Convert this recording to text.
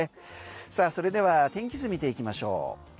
さあ、それでは天気図見ていきましょう。